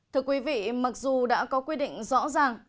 thưa quý vị mặc dù đã có quy định rõ ràng